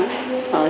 của các bạn trẻ